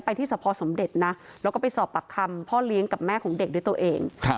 ที่สะพอสมเด็จนะแล้วก็ไปสอบปากคำพ่อเลี้ยงกับแม่ของเด็กด้วยตัวเอง